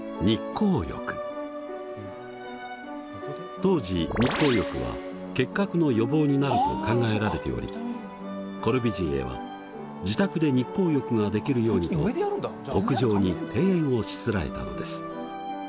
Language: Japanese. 当時日光浴は結核の予防になると考えられておりコルビュジエは自宅で日光浴ができるようにと屋上に庭園をしつらえたのです。